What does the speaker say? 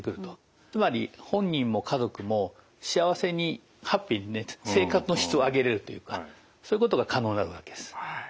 つまり本人も家族も幸せにハッピーになって生活の質を上げれるというかそういうことが可能になるわけです。